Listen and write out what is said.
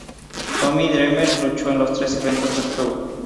Tommy Dreamer luchó en los tres eventos del tour.